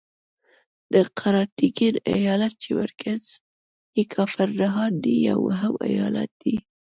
د قراتګین ایالت چې مرکز یې کافر نهان دی یو مهم ایالت دی.